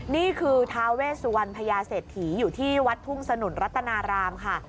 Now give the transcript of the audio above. นี่คือทาเวสุวรรณพญาเศรษฐีอยู่ที่วัดทุ่งสนุนรัตนารามค่ะ